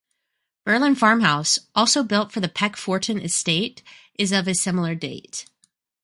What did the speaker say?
Burland Farm House, also built for the Peckforton Estate, is of a similar date.